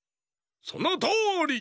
そのとおり！